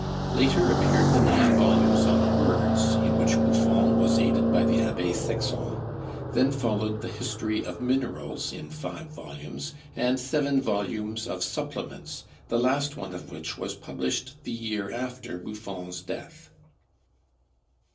Later appeared the nine volumes on birds, in which Buffon was aided by the Abbé Sexon. Then followed the 'History of Minerals' in five volumes, and seven volumes of 'Supplements,' the last one of which was published the year after Buffon's death.